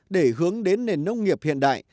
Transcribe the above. để hướng đến nền nông nghiệp hiện đại